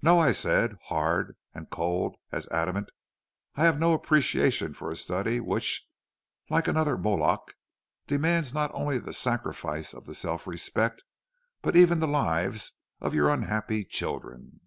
"'No,' I said, hard and cold as adamant, 'I have no appreciation for a study which, like another Moloch, demands, not only the sacrifice of the self respect, but even the lives of your unhappy children.'